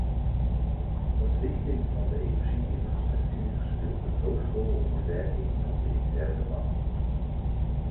Ontwikkeling van de energie-infrastructuur speelt een hoofdrol in de werking van de interne markt.